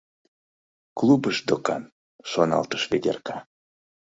«Клубышт докан», — шоналтыш Ведерка.